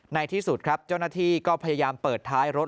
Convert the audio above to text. ในที่สุดครับเจ้าหน้าที่ก็พยายามเปิดท้ายรถ